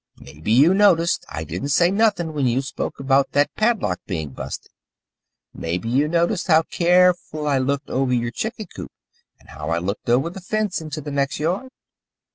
"Mebby you noticed I didn't say nothing when you spoke about that padlock being busted? Mebby you noticed how careful I looked over your chicken coop, and how I looked over the fence into the next yard?